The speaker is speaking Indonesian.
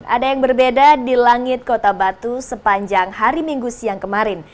ada yang berbeda di langit kota batu sepanjang hari minggu siang kemarin